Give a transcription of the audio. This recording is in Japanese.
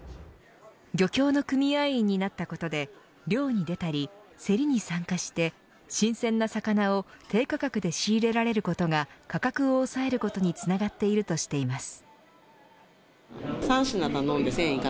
漁協の組合員になったことで漁に出たり、競りに参加して新鮮な魚を低価格で仕入れられることが価格を抑えることにつながっているとしています。